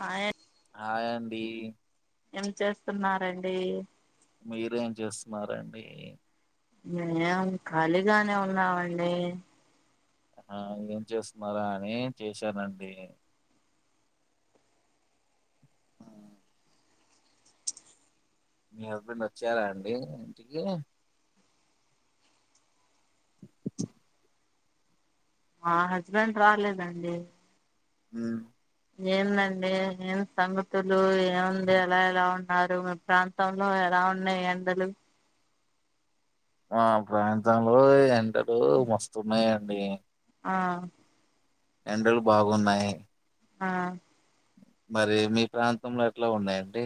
Hi hi అండి ఏం చేస్తున్నారండి మీరేం చేస్తున్నారండి మేం ఖలిగానే ఉన్నామండి ఆ ఏం చేస్తున్నారా అని చేశానండి ఉమ్, మీ హస్బెండ్ వచ్చారా అండి ఇంటికి మా హస్బెండ్ రాలేదండి ఉ ఏందండి ఏం సంగతులు ఏముంది అలా ఎలా ఉంట న్నారు మీ ప్రాంతంలో ఎలా ఉన్నాయి ఎండలు మా ప్రాంతంలో ఎండాలు మస్తున్నాయంండి ఆ ఎండాలు బాగున్నాయి ఆ మరి మీ ప్రాంతంలో ఎట్లా ఉన్నాయండి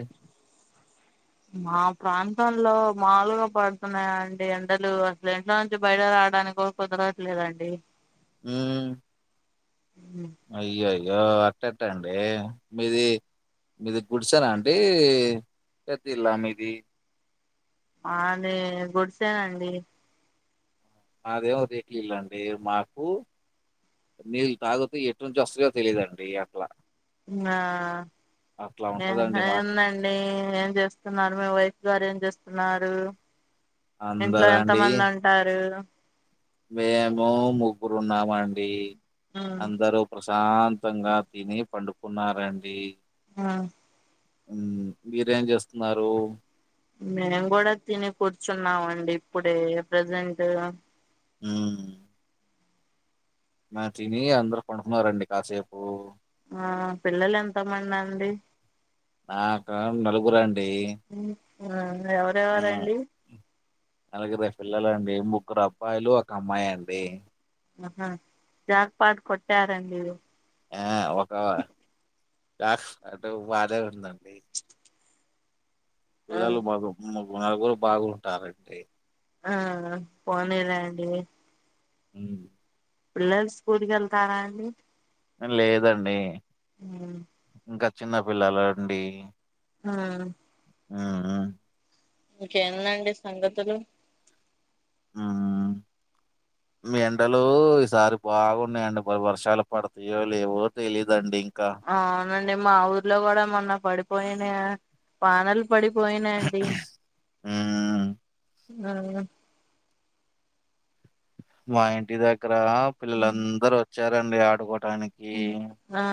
మా ప్రాంతంలో మమ్ములగా పడుతున్నాయా అండి ఎండలు అసలు ఇంట్లో నుంచి బయట రా రాడానికి కుదరవట్లేదండి ఉమ్ అయ్యో అయ్యో అట్టట్టండి మీది మీది గుడిసనా అంటడి పెద్ద ఇల్లా మీది అదే గుడిసె అండి మాదేమో రీట్లీల్లండి మాకు నీరు తాగతే ఎట్ నుంచి వస్తుయో తెలిదండి అట్లా ఆ అట్లా ఉంటదండి మా ఏందండి ఏం చేస్తున్నారు మీ వైపు వైఫ్ గారు ఏం చేస్తున్నారు ఇంట్లో ఎంత అందరండి మంది ఉంటారు మేము ముగ్గురు ఉన్నామండి ఉమ్ అందరూ ప్రశాంతంగా తిని పండుకున్నారండి ఆ హు మీరేం చేస్తున్నారు మేము కూడా తిని కూర్చున్నాం అండి ఇప్పుడే ప్రజెంట్ హు మా తిని అందరు పడుకున్నారండి కాసేపు ఆ పిల్లలు ఎంత మంది అండి నాకా నలుగురండి ఆ ఎవరెవరండి నలుగురు పిల్లలు అండి ముగ్గురు అబ్బాయిలు ఒక అమ్మాయి అండి ఆహా జాక్ పాట్ కొట్టారండి ఆ ఒక అటు భార్య ఉందండి ఆ పిల్లలు బాగు నలుగురు బాగుంటారండి ఆ పోనీలెండి హ్మ్మ్ పిల్లలు స్కూల్కి వెళ్తారా అండి లేదండి హు ఇంకా చిన్నపిల్లలు అండి హు ఆ ఇంక ఎందడి సంఘతులు హ్మ్. మీ ఎండలు ఈసారి బాగున్నాయండి వర్షాలు పడతాయో లేవో తెలిదండి అవునండి మా ఊర్లో కూడా మొన్న పడిపోయిన వానలు పడిపోయి అండి ఊ ఆహా మా ఇంటి దగ్గర పిల్లలందరూ వచ్చారండి ఆడుకోవ ఆ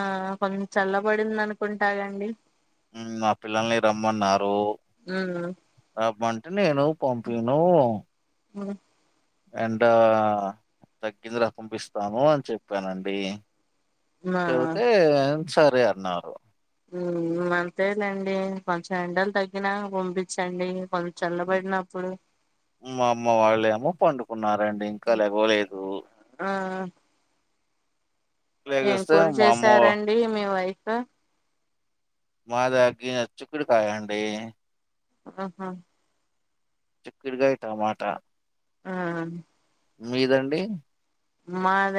కొంత చల్లబడింది అనుకుంటానండి మా పిల్లల్ని రమ్మన్నారు ఉమ్ రమ్మ నేను పంపిను ఉ ఎండ తగ్గిందిర పంపిస్తాము అని చెప్పానండి మా చెబితే సరే అన్నారు హు అంతేదండి కొంచెం ఎండలు తగ్గినాక పంపించండి కొంచెం చల్లబడినప్పుడు మా అమ్మ వాళ్ళు ఏమో పండుకున్నారండి ఇంకా లేవలేదు ఆ ఏం లేస్త కూర మా అమ్మ చేసారండి మీ వైఫ్ మా దగ్గ చిక్కుడు కాయ అండి ఆహా చిక్కుడుగాయ టమాటా హ్మ్మ్ మీదండి మాద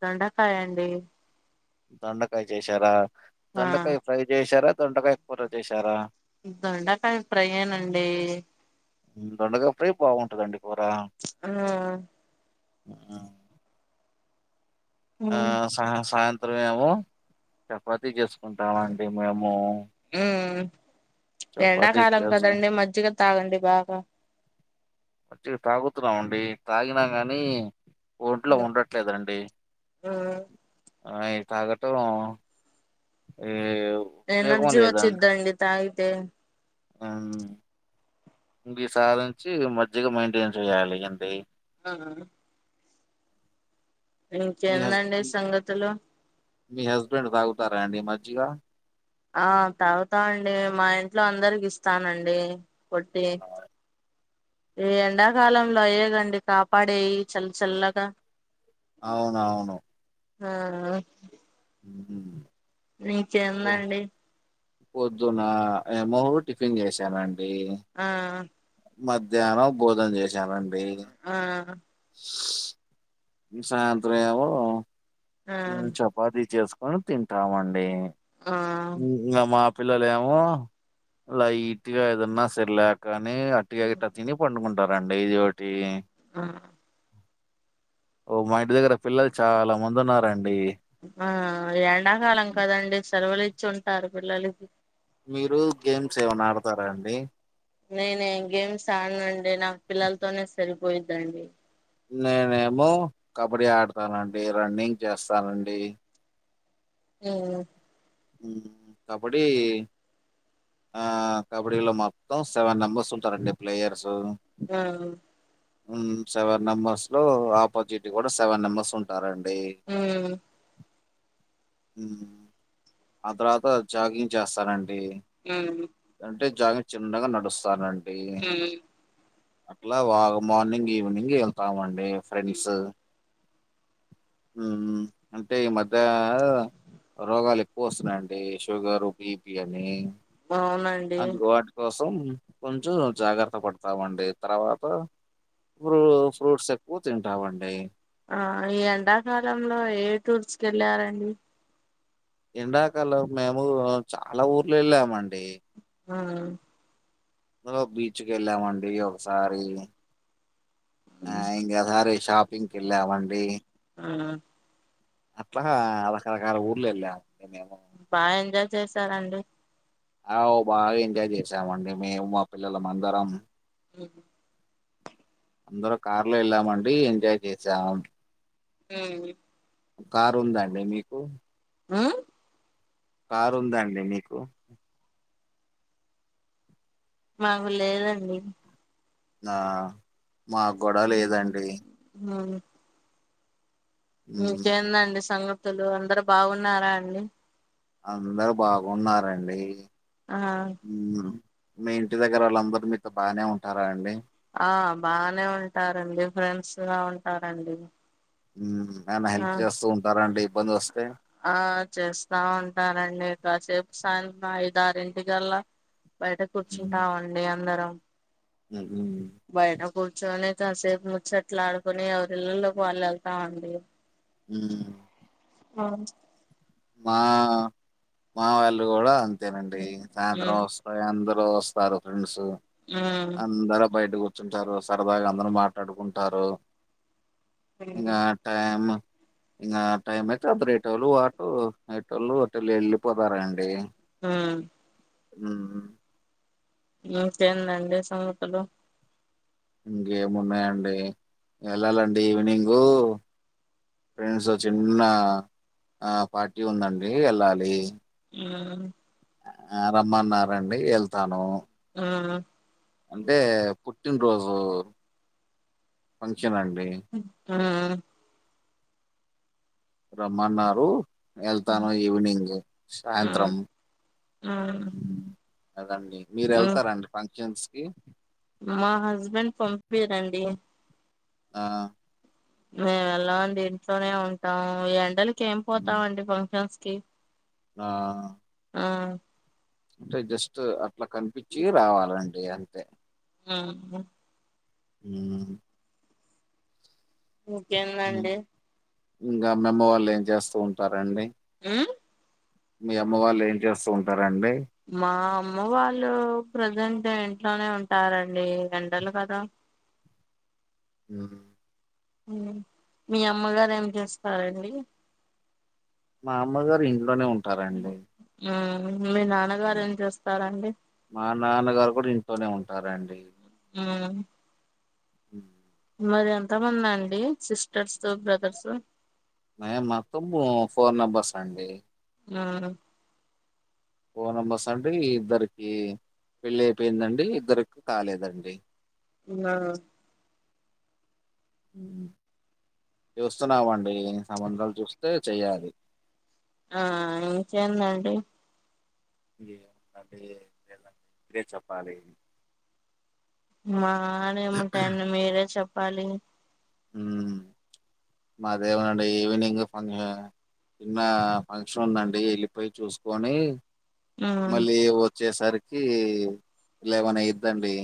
దొండకాయ్ అండి దొండకాయ చేసారా ఆ దొండకాయ ఫ్రై చేశార దొండకాయ కూర చేశారా దొండకాయ్ ఫ్రై ఎనండి దొండకాయ్ ఫ్రై బాగుంటద ఆ ఆ ఆ ఉమ్ సా సాయంత్రం ఏమో చపాతి చేసుకుంటామండి మేము ఉ చపాతీ ఎండాకాలం చేసు కదండి మజ్జిగ తాగండి బాగా మజ్జిగ తాగుతున్నామండి తాగినా గానీ ఒంట్లో ఉమ్ ఉండట్లేదండి ఉమ్ ఆ [unintelligible] ఉపయోగం ఎనర్జి వచ్చిద్దండి తాగితే ఇంక సాధించి మజ్జిగ మెయింటైన్ చేయాలి అంతే ఆ మీ ఇంకేందండి హస్బెం సంగతులు మీ హస్బెండ్ తాగుతార అండి జ్జిగ ఆ తాగుతా అండి మా ఇంట్లో అందరికి ఇస్తానండి [unintelligible] ఈ ఎండాకాలంలో అయ్యేగండి కాపాడేవి చల్ చల్లాగా అవునవును ఆ మ్మ్. పొ- మీకేందండి పొద్దున ఏమో టిఫిన్ చేసానండి ఆ మధ్యానం భోజన చేశానండి ఆ సాయంత్రం ఏమో ఆ చపాతి చేస్ తింటామండి ఆ [unintelligible] పిల్లలు ఏమో లైట్గ ఏదన్నా సెర్ ల్య కాని అట్టుగ గిట్టి తిని పండుకుంటారండి ఇది ఒకటి ఆ ఓ మా ఇంటి దగ్గర పిల్లలు చాల మంది ఉన్న ఆ ఎండాకాలం కదండి సెలవులు ఇచ్చి ఉంటారు పిల్లలకి మీరు గేమ్స్ ఏమైన ఆడతార అండి నేనేం గేమ్స్ ఆడనండి నా పిల్లలతోనే సరిపోయిద్దండి నేనేమో కబడ్డీ ఆడతానండి రన్నింగ్ చేస్తానండి అ కబడ్డీ ఆ కబడ్డీ లో మొత్తం సెవెన్ మెంబెర్స్ ఉంటారండి ప్లేయర్స్ ఆ సెవెన్ మెంబర్స్ లో ఆపోజిట్ కూడా సెవెన్ నెంబర్స్ ఉంటారం ఊ ఆ తర్వాత జాగింగ్ చేస్తనండి ఆ అంటే జాగ చిన్నగా నడుస్తా మ్ అట్లా వా మార్నింగ్ ఈవినింగ్ వెళ్తామండి ఫ్రెండ్స్ మ్ మ్ అంటే ఈ మధ్య రోగాలేక్కువస్తున్నాయండి షుగరు బీపి అని అవునండి త్తం కొంచెం జాగ్రత్త పడుతామండి తర్వాత ఫ్రూ ఫ్రూట్స్ ఎక్కువ తింటామండి ఆ ఈ ఎండాకాలంలో ఏ టూర్స్ కేళ్ళారండి ఎండాకలం మేము చాలా ఊర్లు వెళ్ళామండి ఆ వా బీచ్కి వెళ్ళామండి ఒకసారిీ ఆ ఇంగా సరి షాపిింగ్ కేల్ల మండి ఆ అట్లా రకరకాల ఊర్లు వెళ్ళామ్ బాగా ఎంజాయ్ చేసారండి ఆ బాగా ఎంజాయ్ చేసామండి మేము మా పిల్లలమందరం మ్ అందరూ కార్లో వెళ్ళామండి ఎంజాయ్ చేసాం మ్ కారు ఉందా అండి మీకు మ్ కారు ఉందా అండి మీకు మాకు లేదండి ఆ మాక్కూడా లేదండి ఉమ్ ఉమ్, ఇంకేందండి సంగతులు అందరు బాగున్నారా అండి అందరు బాగున్నారండి ఆ మ్ మీ ఇంటి దగ్గర వాళ్ళందరు మీతో బానే ఉంటారా అండి ఆ బానే ఉంటారండి ఫ్రెండ్స్ లా ఉంటారండి మ్ ఏమన్న ఆ హెల్ప్ చేస్తూ ఉంటారండి పో ఆ చేస్తా ఉంటానండి ఇకాసేపు సం ఐదారింటికల్లా బయట ఉమ్, కూర్చుంటామండి అందరం ఉమ్, బయట కూర్చోని కాసేపు ముచ్చట్లాడుకోని ఎవరిళ్లలకి వాళ్ళు వెళ్తామండి మ్ ఆ మా మా వాళ్ళు కూడా అంతేనండి సాయంత్రం వస్తాయి అంద రు వస్తారు ఫ్రెండ్స్ మ్మ్ అందరు బయట కూర్చుంటారు సరదాగా అందరూ మాట్లాడుకుంటారు ఇంగ టైమ్ ఇంగ టైం అయితే అందరు ఎటోళ్ళు ఆటు ఎటోళ్ళు ఆటోళ్ళు వెళ్ళిపోతారండి ఆ మ్ మ్ ఇంకేందండి సంగతులు ఇంకేమున్నాయండి వెళ్ళాలండి ఈవినింగ్ ఫ్రెండ్స్ తో చిన్న ఆ పార్టీ ఉందండి వెళ్ళాలి మ్ ఆ రమ్మన్నండి వెళ్తాను హుహు అంటే పుట్టినరోజు ఫంక్షన్ అండి [unintelligible] రమ్మన్నారు వెళ్తాను ఈవినింగ్ మ్మ్ సాయంత్రం మ్మ్ కదండి మీరు మ్మ్ వెళ్తారండి ఫంక్షన్స్ కి మా హస్బెండ్ పంపియరండి ఆ మేము వెళ్లమండి ఇంట్లోనే ఉంటాం ఎండలకి ఏం ఉమ్, పోతామండి ఫంక్షన్స్ కే ఆ ఆ అంటే జస్ట్ అట్లా కనిపించి రావాలండి అంతే ఆహా ఉ ఇంకేందండి ఇంకా మీ అమ్మ వాళ్ళు ఏం చేస్తా ఉంటారు అండి మ్మ్ మీ అమ్మ వాళ్ళు ఏం చేస్తూ ఉంటారు మా అమ్మ వాళ్ళు ప్రజెంట్ ఏ ఇంట్లోనే ఉంటారండీ ఎండలు కదా ఆ మీ అమ్మగారు ఏం చేస్తారండి మా అమ్మగారు ఇంట్లోనే ఉంటారండి మ్మ్ మీ నాన్నగారు ఏం చేస్తారండి మా నాన్నగారు కూడా ఇంట్లోనే ఉంటారండి అవునా హ మరి ఎంత మంది అండి సిస్టర్స్ బ్రదర్స్ మేం మొత్తం ఫోన్ నెంబర్స్ అండి ఆ ఫోన్ నెంబర్స్ అండి ఇద్దరికి పెళ్లి అయిపోయిందండి ఇద్దరికి కాలేదండి ఉమ్మా చూస్తున్నామండి సంబంధాలు చూస్తే చెయ్యాలి ఆ ఇంకేందండి ఏముందండీ [unintelligible] మీరే చెప్పాలి మాదేముంటాయండి మీరే చెప్పాలి ఉహ్ మాదేవ అండి ఈవినింగ్ ఫంక్షన్ చిన్న ఫంక్షన్ ఉందండి వెళ్లిపోయి చూసుకొని మ్మ్ మళ్లీ వచ్చేసరికి ఎల్వీన్ అయితదండి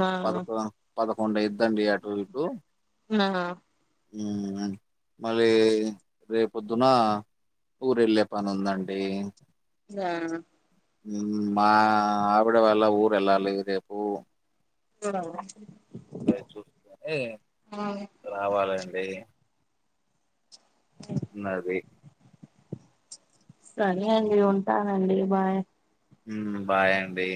మా పదకో పదకొండు అయిద్ది అండి అటు ఇటు మా ఉ మళ్లీ రేపు పొద్దున్న ఊరు వెళ్లే పని ఉందండి సా ఉహ్మ్ మా ఆవిడ వాళ్ళ ఊరు వెళ్ళాలి రేపు ఆ [unintelligible] అవి చూసుకొని రావాలండి ఉన్నది సరే అండి ఉంటానండి బాయ్ ఉం బాయ్ అండి